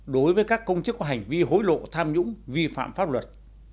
đối với các công chức có hành vi hối lộ tham nhũng vi phạm pháp luật